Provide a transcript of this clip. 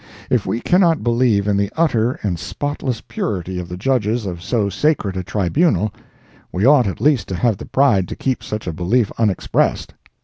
If we cannot believe in the utter and spotless purity of the Judges of so sacred a tribunal, we ought at least to have the pride to keep such a belief unexpressed.